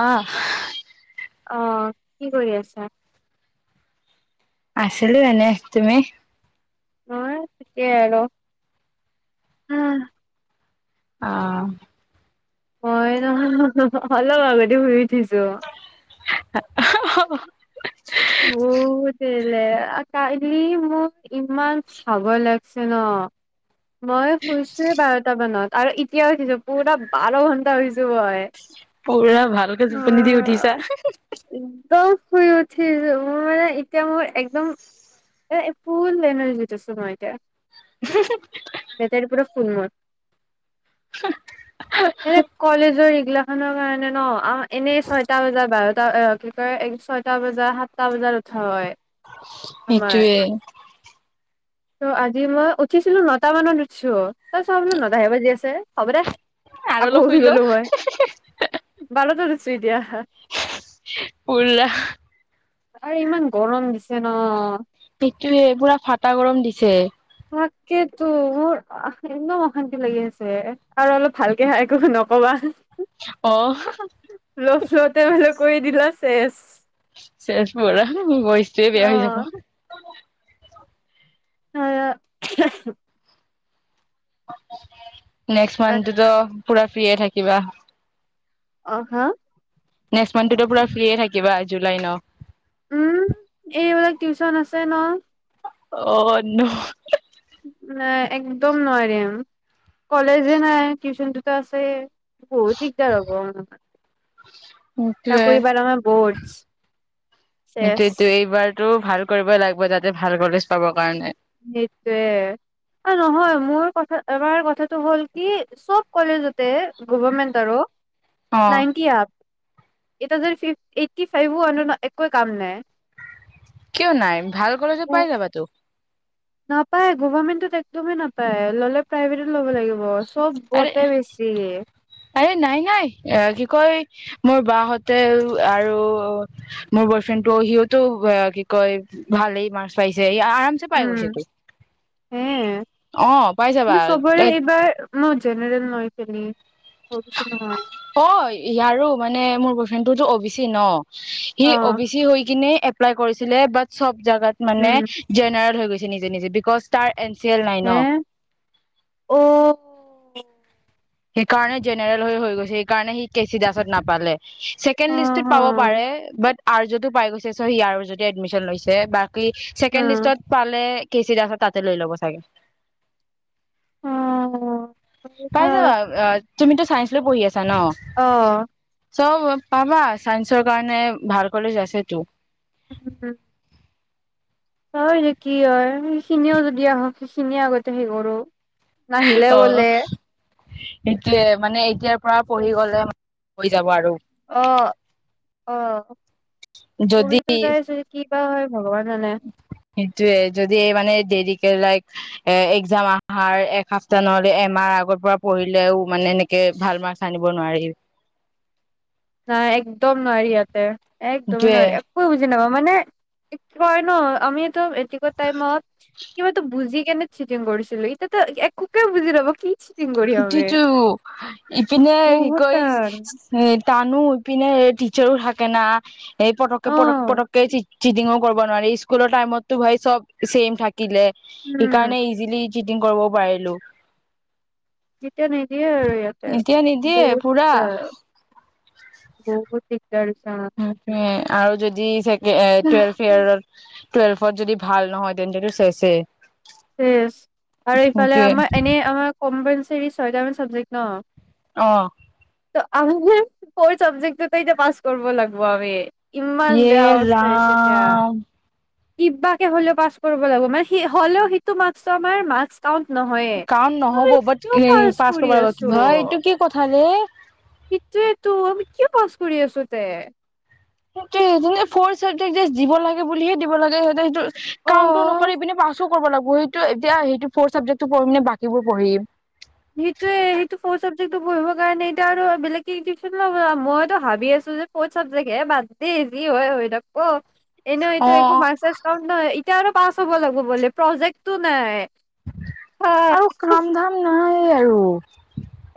আঁহ আঁহ কি কৰি আছে আছিলো এনেই তুমি মই থিকেই আৰু অ মই নহয় অলপ আগতে শুই উঠিছো হাঁ হাঁ বহুত বেলেগ কালি মোৰ ইমান ভাগৰ লাগিছে ন মই শুইছোৱে বাৰটা মানত আৰু এতিয়া উঠিছো পুৰা বাৰ ঘণ্টা হৈছো মই পুৰা ভালকৈ টোপনি দি উঠিছা অ', একদম শুই উঠিছো মোৰ মানে এতিয়া মোৰ একদম এ ফুল এনাৰ্জিতত আছো মই এতিয়া তেতিয়াৰ পৰা উম এনে কলেজৰ এইগলা ভালৰ কাৰণেই নহ আৰু এনেই ছয়টা বজাৰ বাৰত কি কয় এক ছয় আতটা বজাত সাতটা বজাত উঠা হয় আমাৰ সেইটোৱেই ত' আজি মই উঠিছিলো নটা মানত উঠিছো তই চোৱা বলো নটাহে বাজি আছে হ'ব দে আৰু আকৌ অলপ সুধি শুই লও, গলো মই বালতো দি আছো এতিয়া উলল [unintelligible] আৰু ইমান গৰম দিছে ন সেইটো পুৰা ফটা গৰম দিছে তাকেইতো মোৰ একদম অশান্তি লাগি আছে আৰু অলপ ভালকে খাই একো নকবা অ ্লতে হলে কৰি দিলা শেষ চেজ পৰা মোৰ বইচটয়ে বেয়া হৈ যাব অ [inaudible] নেক্সট মথ দ পুৰা ফ্ৰিয়ে থাকিবা অ হা নেক্সট মান্থটোতো পুৰা ফ্ৰিয়ে থাকিবা জুলাই ন উম এই মল টিউচন আছে ন অন নাই একদম নোৱাৰ ৰেম কলেজে নাই টিউচনটোতো আছে বহুত দিগদাৰ হ'ব ম [inaudible] াকুৰবাৰ আৰ বৰ্ছ শেষ তটো ভাল কৰিবই লাগিব যাতে ভাল কলেজ পাব কাৰণে সেইটোয়ে নহয় মোৰ কথা আমাৰ কথাটো হ'ল কি চব কলেজতে গভমেন্ট আৰু অ', নাইনটি আপ এ যদি ফ এইটটি ফাইভো একোৱেই কাম নাই কিয় নাই ভাল কলেজে পাই যাবা তো নাপায় গভাৰমেণ্টত একদমেই নাপায় ল'লে প্ৰাইভেটত ল'ব লাগিব চব বতে বেছি এ নাই নাই অ কি কয় মোৰ বাহঁতে আৰু মোৰ বয়ফ্ৰেণ্ড টো সিহতো কি কয় ভালেই মাৰছ পাইছে আৰামছে পাই উম গৈছে তো হে অ পাই যাবা কিন্তু চবৰে এইবাৰ মই জেনেৰেল নয়ছে ন অ ইয়াৰ মানে মোৰ েটোতো অবিচি ন সি অবি চি হৈ কিনে এপ্লাই কৰিছিলে ব চব জোগাত মানে জেনেৰেল হৈ গৈছিল নিজে নিজে বিকজ তাৰ এন চি এল নাইন সেইকাৰণে জেনেৰেল হৈ হৈ গৈছে সেইকাৰণে সি কেচি ডাছত নাপালে ছেকেণ্ড লিষ্টত পাব পাৰে ব আযতো পাই গৈছে চ সি আৰ যদি এডমিশ্যন লৈছে বা ছেকেণ্ড লিষ্টত পালে কেচি দ আ তাতে লৈ ল'ব চাগে পাই যাবা তুমিতো চায়েঞ্চ লৈ পঢ়ি আছা অ চব পাবা চাইন্সৰ কাৰণে ভাল কলেজ আছেতো উম উম হয় কি হয় সেইখিনিও যদি আহক সিখিনিয়ে আগতে সেই কৰো নাহিলে অ বোলে এতিয়ে মানে এতিয়াৰ পৰা পঢ়ি গ'লে হৈ যাব আৰু অহ অহ পঢ়িটো চাই কি? অ হয় ভগৱান জানে সেইটোৱে যদি মানে দেৰি লাইক এ এক্জাম আহা এসপ্তাহ নহলে এমাহ আগৰ পৰা পঢ়িলেও মানে এনেকে ভাল মাৰ্কচ আনিব নোৱাৰে নাই একদম নোৱাৰি ইয়াতে একদমেই সেইটোয়ে নোৱাৰি একোৱে বুজি নাপাওঁ মানে এক হয় ন আমিটো মেট্ৰিক টাইমত কিবাতো বুজি কেনে চিটিং কৰিছিলো এতিয়াতো একোকে বুজি নাপাও কি চিট সেইটোৱেতো ইপিনে কি বহুত কয় টান টানো হৈ পিনে টিচাৰো থাকে ন এইেই পটকে পটক অ', পটকে চিটিংও কৰিব নোৱাৰি স্কুলৰ টাইমতো ভাই সব চেম থাকে দিলে উম, সেইকাৰণে ইজিলি চিটিং কৰিব পাৰিলো তেতিয়া নিদিয়ে আৰু ইয়াতে এতিয়া নিদিয়ে বহুত পুৰা এয়া উম গতিকে তাৰছা আৰু যদি চে এ টুৱেলভ ইয়াৰত টুৱেলভত যদি ভাল নহয় তেন্তেটো চেছেই চেছ আৰু ইফালে আমাৰ এনে আমাৰ কমবেঞ্চ [unintelligible] ছয়টামান চাবজেক্ট ন অহ [unintelligible] ফ চাবজেক্টতেএতিয়া পাছ কৰব লাগব আমি ইমান বেয়া এই ৰা অৱস্থা হৈছে এতিয়া। ম কিবাকে হ'লেও পাছ কৰিব লাগিব মানে সি হ'লেও সি তোমাক শৰ্মাৰে মাৰ্কচ কাউণ্টতো কাৰণ নহব বাট হেৰি পাচ কৰি কৰিব [unintelligible] এইটো কি কথা যে সটোয়েতো আমি কিয় পাছ কৰি আছো তে সেইটো [unintelligible] ফৰ চাবজেক্ট যে দিব লাগে বুলিহে দিব লাগে সেইটো সেইটো কামটো অ'। নকৰি পিনে পাচো কৰব লাগব সেইটো এতিয়া সেইটো ফ'ৰ ছাবজেক্টো পঢ়ম নে বাকীবোৰ পঢ়িম সেইটোয়ে সেইটো পঢ়িব কাৰণে এতিয়া আৰু বেলেগ কে [unintelligible] মইতো ভাবি আছো যে ফৰ্ত চাবজেক্ট হে বাদ যি হয় হৈ থাকক এনে অ হেইটো একো মাৰ্ক চাৰ্ক কাউণ্ট নাই এতিয়া আৰু পাছ হ'ব লাগিব বোলে প্ৰজেক্টটো নাই হা, আৰু কাম ধাম নহয় এই আৰু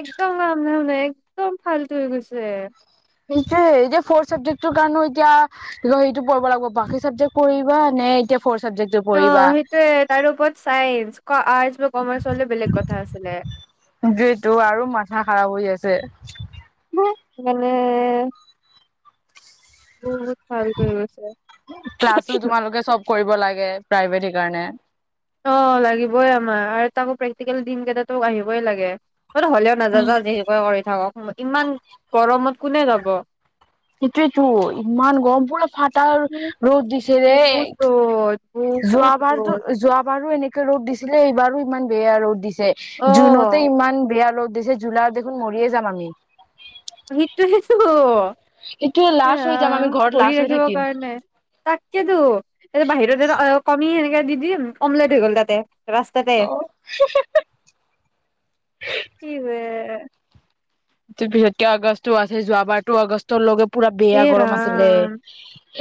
একদম [unintelligible] একদম ফাল্টু হৈ গৈছে সেইটো এতিয়া ফ'ৰ চাবজেক্টৰ কাৰণে এতিয়া সেটো পোৱাব লাগিব বাকী চাবজেক্ট কৰিবা নে এতিয়া ফ'ৰ চাবজেক্টটো অ পঢ়িবা সেইটোয়ে তাৰ ওপৰত চাইজ ক আজ যিটো আৰু মাথা খাৰাপ হৈ আছে হেকানে হৈ গৈছে ক্লাছো তোমালোকে চব কৰিব লাগে প্ৰাইভেট কাৰনে অ লাগিবই আমাৰ আৰু তাকো প্ৰেক্টিকেল দিনকেইটা তোক আহিবই লাগে মইতো হ'লেও নাজা জা যিহে কৰে কৰি থাকক ইমান গৰমত কোনে যাব সেইটোয়েতো ইমান গম পোৰা ফাটাৰ ৰ'দ দিছে যে বহুত ৰ'দ বহুত যোৱাবাৰতো ৰ'দ যোৱাৰ সেই বাৰো এনেকে ৰ'দ দিছিলে এইবাৰো ইমান বেয়া ৰ'দ দিছি অ জুনতে ইমান বেয়া ৰ'দ দিছে জুলাইত দেখোন মৰিয়ে যাম আমি [unintelligible] [unintelligible] অ এইটোয়ে লাষ্ট হৈ যাম আমি ঘৰত ভৰি লাষ্ট হৈ ৰাখিব থাকিম। কাৰনে তাকেতো এই বাহিৰত এ কমি সেনেকে দি দিম অমলেট হৈ গ'ল তাতে ৰাস্তাতে কি বে এতিয়া যিহেতু আগষ্টো আছে যোৱাবাৰতো আগষ্টৰ লগত পুৰা বেয়া এ গৰম আছিলে ৰাম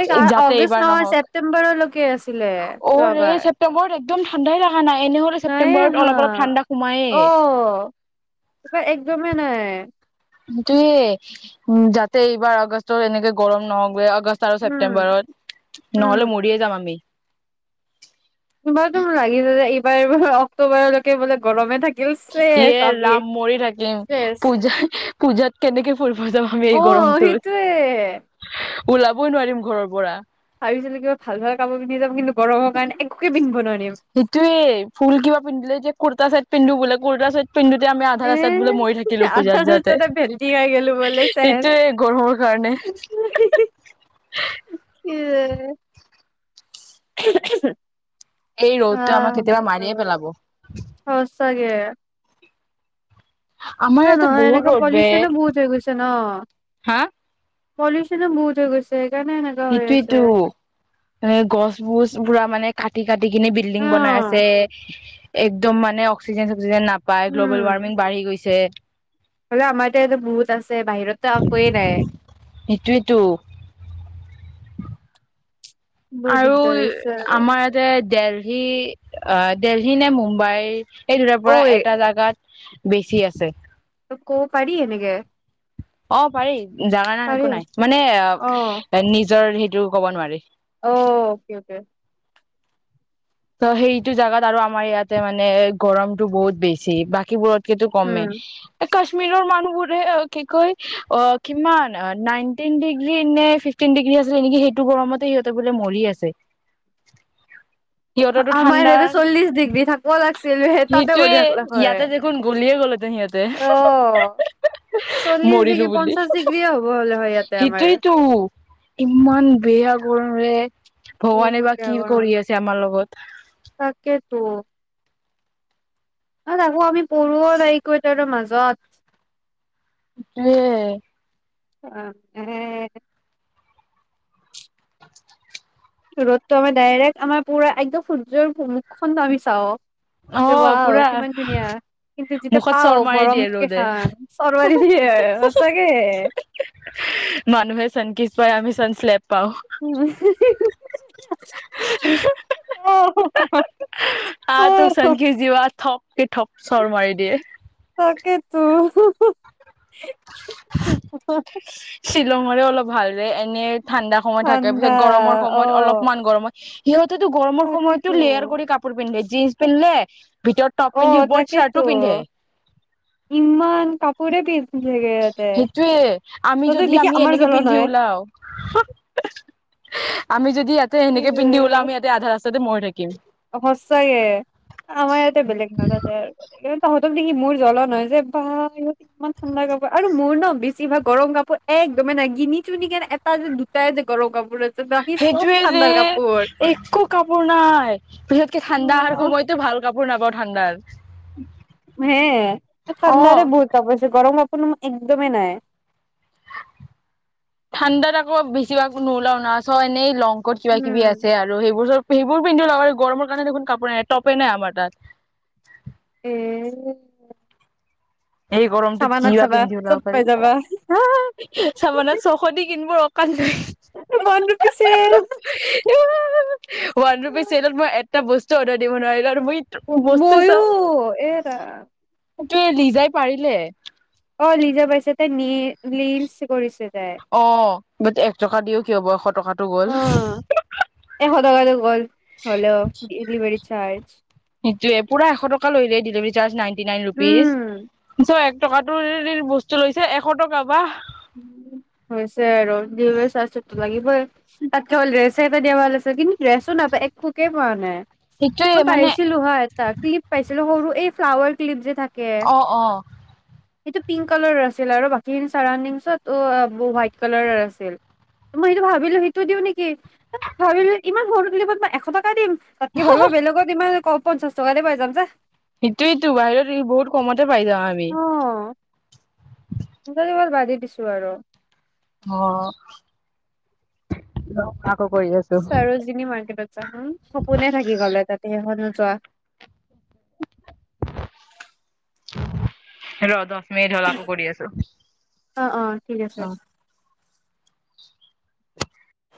এই যাতে অগষ্ট এইবাৰ নহয় নহওঁক ছেপ্তেম্বৰলৈকে আছিলে অ ৰে যোৱাবাৰ ছেপ্তেম্বৰত একদম ঠাণ্ডাই নাই নাই এনে হ'লেও নাই ছেপ্টেম্বৰত অলপ অলপ ঠাণ্ডা সোমায়ে একদমে নাই দুইয়ে যাতে এইবাৰ আগষ্টত এনেকে গৰম নহওঁক বে আগষ্ট আৰু উম ছেপ্তেম্বৰত উম নহ'লে মৰিয়ে যাম আমি এইবাৰ টো লাগিছে যে এইবাৰ এইবাৰ অক্টোবৰ লৈকে বোলে গৰমে থাকিব এ ৰাম মৰি থাকিম চেচ পূজাত পূজাত কেনেকে এই অ সেইটোয়ে গৰমটোত ওলাবই নোৱাৰিম ঘৰৰ পৰা ভাবিছিলো কিবা ভাল ভাল কাপোৰ পিন্ধি যাব কিন্তু গৰমৰ কাৰণে একোকে পিন্ধিব নোৱাৰিম সেইটোয়ে ভুল কিবা পিন্ধিলে যে কুৰতা চা পিন্ধোবোলে কোৰতা চাইত পিন্ধোতে আমি আধা এ ৰাস্তাত বোলে মৰি থাকিলো আধা পূজাত যাওঁতে ৰাস্তাতে ভেন্দি খাই গলো বোলে সেই চেচ কি যে উমহ উমহ এই ৰ'দটো আমাক কেতিয়াবা মাৰিয়ে পেলাব তাকে আমাৰ এ ইয়াতে নহয় বহুত এনেকে ৰ'দ বে পলিউচনো বহুত হৈ গৈছে ন হা পলিউচনো বহুত হৈ গৈছেে সেইটোয়েতো মানে গছ বোৰ পোৰা মানে কাটি কাটিকিনি অ বিল্ডিং বনাই আছে একদম মানে অক্সিজন চক্সিজেন নাপায় নাপাই গ্ল'বেল উম ৱাৰ্মিং বাঢ়ি গৈছে হ'লে আমাৰতেয়াতো বহুত আছে বাহিৰতো একোয়ে নাই সেইটোয়েতো বহুত আৰু দিগদাৰ হৈছে আৰু। আমাৰ ইয়াতে ডেল দেলহি আ দেলহি নে মুম্বাই সেই দুটাৰ ঐ পৰা এটা জাগাত বেছি আছে ত ক'ব পাৰি এনেকে অ পাৰি জানা না পাৰি একো নাই মানে অ নিজৰ হ এইও ক'ব নোৱাৰি অকে অকে ত সেইটো জেগাত আৰু আমাৰ ইয়াতে মানে গৰমতটো বহুত বেছি বাকীবোৰত সেইটো কমে উম। কাশ্মীৰৰ মানুহবোৰে কি কয় অ কিমান নাইনটিন ডিগ্ৰী নে ফিফটিন ডিগ্ৰী আছিল নেকি সেইটো গৰমতে সিহঁতে বোলে মৰি আছে সিহঁতৰতো আমাৰ ইতে চল্লিছ ডিগ্ৰী থাকিব লাগছে সেইটোৱে ইয়াতে দেখোন গ'লিয় অ চল্লিশ মৰিলো ডিগ্ৰী বুলি পঞ্চাশ ডিগ্ৰীয়ে হ'ব হ'লে হয় ইয়াতে আমাৰ সেইটোয়েতো ইমান বেয়া গৰ নৰে ভগৱানে বহুত বা বেয়া কি গৰম কৰি লাগিছে। আছে আমাৰ লগত তাকেতো হয় না আমি পৰুৱ লায়কৈ এ তাৰ মাজ গচ উ অ উম [inaudible] ৰ'দটো আমাৰ ডাইৰেক্ট আমাৰ পুৰা একদম সূৰ্যৰূমুখখনন আমি চাওঁ অ যৱা পুৰা কিমান ধুনীয়া কিন্তু যেতিয়া মুখত চৰ পাও মাৰি মৰম দিয়ে ৰ'দে কেইখন চৰাৰি দে সচাকেে মানুহে চানকিচ আমি চেননচেলেপ পাওঁ [unintelligible] উ অ আ তোক চনখি জিৱ থঠপকে ঠপ চৰ মাৰি দিয়ে কে তো উ শ্বিলঙৰে অলপ ভালৰে এনে ঠাণ্ডা সময় থাকে ঠাণ্ডা পিছত গৰমৰ অ সময়ত অলপমান গৰমত কি ত ত গৰমৰ সময়ত তাকেতো তোৰ লেয়াৰ কৰি কাপোৰ পিন্ধিলে জিনন্স পিন্ধে উ অ তাকেতো ইমান কাপোৰ পিছ থে যতে সেইটোয়ে আমি যদি আমি এনেকে পিন্ধি ওলাও আমি যদি ইয়াতে এনেকে পিন্ধি ওলাও আমি ইয়াতে আধা মৰে [unintelligible] সচাকে আমাৰ ইয়াতে বেলেগ নাজাতে আৰু তহঁত দেকি মোৰ জ্বলন হয় যে বা ইহঁত ইমান ঠাণ্ডা কাপোৰ আৰু মোৰ ন বেছি ভাগ গৰম কাপোৰ একদমেই নাই গিনি ছোনিকে এটা যে দুটাই যে গৰম কাপোৰে সেইটোৱেৰে একো কাপোৰ নাই। পিছতকে ঠাণ্ডাৰ অ সময়তটো ভাল বোৰ নাপ ঠাণ্ডাত [inaudible] হে, অ ঠাণ্ডাৰে বহুত আছে গৰম কোনো একদমেই নাই। ঠাণ্ডাত আকৌ বেছিভাগ নোলাও না, চ এনেই লং ক'ত কিবা - কিবি উম আছে আৰু সেইবোৰ চ সেইবোৰ পিন্ধি লগা গৰমৰ কাৰণে দেখোন কাপোৰ নাই টপে নাই আমাৰ তাত। এ' এই গৰমটোত কি চাবানাত বা চাবা পিন্ধি চব উওলাব পাই পাৰি, যাবা চানে চকদি কিনিব [inaudible] কজ [inaudible] মন ৰুখিছে ওৱান ৰুপি [inaudible] চেলত মই এটা বস্তু অৰ্ডাৰ দিব নোৱাৰিলা তুমি। বয়ো এৰা [inaudible] ত লি যায় [inaudible] পাৰিলে। অ' লিজে পাইছে তাই নি লিজ- কৰিছে। তাই অঁ। বাত এক টকা দিও কিয় হব। [inaudible] অ এশ টকাতো গ'ল হলেও ডেলাৰী। চাৰ্জ। পুৰা এশ টকা লৈ দেই ডেলিাৰী চাৰ্জ নাই। ন উম। ৰুপিছ [inaudible] টকাটো বস্তু লৈছে এশ টকা বা হৈছে আৰু যাস লাগিবই তল ৰেচাইটা দিয়া ভাল আছে কিন্তু [inaudible] ড্ৰেছো নাপায় একোকে পোৱা নাই সেইটোয়ে মই মানে পাইছিলো হ এটা্ পাইছিলো সৰু [inaudible] এই ফ্লাৱাৰ ক্লিপ যে থাক অ', অ'। এইটো পিংক কালাৰৰ আছিল আৰু বাকী [unintelligible] চাৰাণ্ডিংচ তাৰপিছত অ' হোৱাইট কালাৰৰ আছিল মই সেইটো ভাবিলো সেইটো দিওঁ নেকি তাৰপিছত ভাবিলো ইমান সৰু লপত মই এশ টকা দিম তাতকে ভালা বেলেগত ইমান ক পঞ্চাছ টকাতে পাই যামা যা। সেইটোয়েইতো বাহিৰত বহুত কমতে পাই যাওঁ আমি। ত বাৰ বাজি দিছ [inaudible] আৰু। অ আকৌ কৰি আছো। সৰুজেনী মাৰ্কেটত যাম সপোনে থাকি গ'লে তাতে সেইখন যোৱা হেল্ল দ মে ধৰ আকৌ কৰি আছো, অ', অ', ঠিক আছে। অ। [unintelligible]